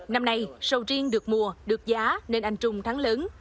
năm nay sầu riêng được mùa được giá nên anh trung thắng lớn